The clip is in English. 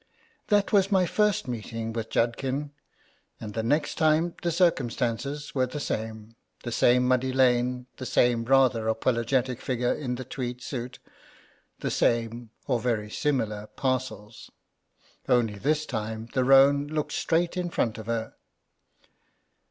That was my first meeting with Judkin, and the next time the circumstances were the same; the same muddy lane, the same rather apologetic figure in the tweed suit, the same — or very similar — parcels. Only this time the roan looked straight in front of her.